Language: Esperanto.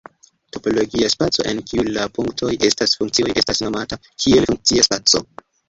Topologia spaco en kiu la "punktoj" estas funkcioj estas nomata kiel "funkcia spaco".